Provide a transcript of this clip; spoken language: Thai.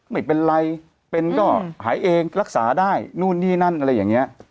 ไม่เป็นไรเป็นก็หายเองรักษาได้นู่นนี่นั่นอะไรอย่างนี้